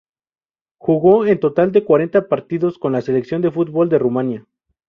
Jugó un total de cuarenta partidos con la selección de fútbol de Rumania.